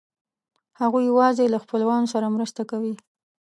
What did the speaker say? هغوی یواځې له خپلوانو سره مرسته کوي.